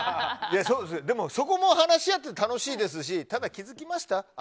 でもそこも話し合って楽しいですしただ気づきました？